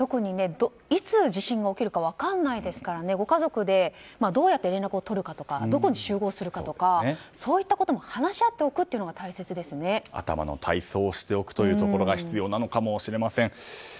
いつ地震が起こるか分からないですからご家族でどうやって連絡を取るかとかどこに集合するかそういったことも話し合っておくのが頭の体操をしておくというのが必要なのかもしれません。